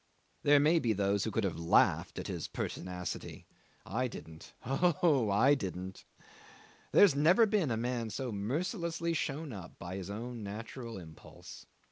'There may be those who could have laughed at his pertinacity; I didn't. Oh, I didn't! There had never been a man so mercilessly shown up by his own natural impulse.